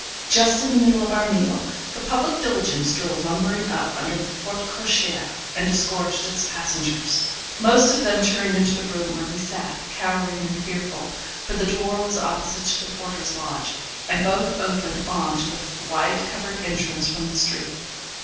Just in the middle of our meal, the public diligence drove lumbering up under the porte cochère, and disgorged its passengers. Most of them turned into the room where we sat, cowering and fearful, for the door was opposite to the porter's lodge, and both opened on to the wide covered entrance from the street.